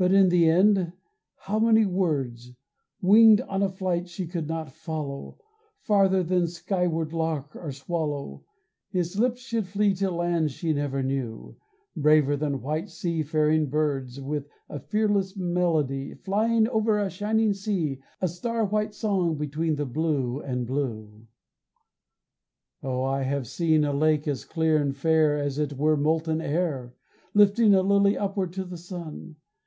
But in the end how many words Winged on a flight she could not follow, Farther than skyward lark or swallow, His lips should free to lands she never knew; Braver than white sea faring birds With a fearless melody, Flying over a shining sea, A star white song between the blue and blue. Oh I have seen a lake as clear and fair As it were molten air, Lifting a lily upward to the sun.